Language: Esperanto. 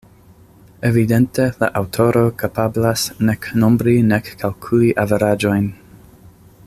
Evidente la aŭtoro kapablas nek nombri nek kalkuli averaĝojn.